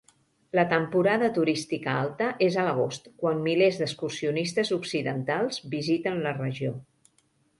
La temporada turística alta és a l'agost, quan milers d'excursionistes occidentals visiten la regió.